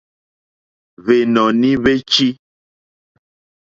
Hwènɔ̀ní hwé tʃí.